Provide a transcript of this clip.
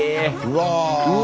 うわ！